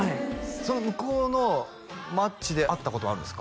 その向こうのマッチで会ったことあるんですか？